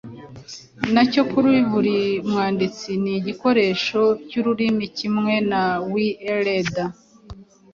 nacyo (kuri buri mwanditsi ni igikoresho cy'ururimi kimwe na wielder).